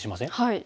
はい。